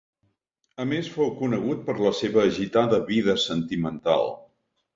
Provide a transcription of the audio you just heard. A més fou conegut per la seva agitada vida sentimental.